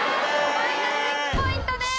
マイナス１ポイントです。